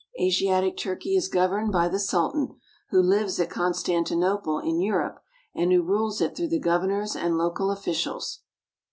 Asiatic Turkey is governed by the Sul tan, who lives at Con stantinople in Europe, and who rules it through the governors and local officials.